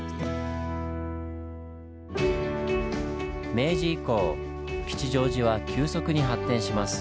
明治以降吉祥寺は急速に発展します。